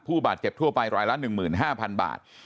ผู้บาดเจ็บทั่วไปรายละ๑๕๐๐๐บาท